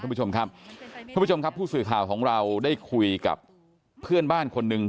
ท่านผู้ชมครับผู้สื่อข่าวของเราได้คุยกับเพื่อนบ้านคนนึง